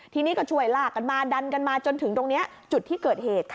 ทีนี้ก็ช่วยลากกันมาดันกันมาจนถึงตรงนี้จุดที่เกิดเหตุค่ะ